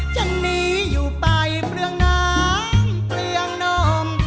ฉันหนีอยู่ไปเปลืองน้ำเปลืองนม